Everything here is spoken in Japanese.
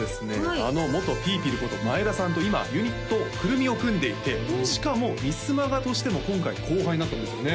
あの元ぴーぴること前田さんと今ユニット９６３を組んでいてしかもミスマガとしても今回後輩になったんですよね？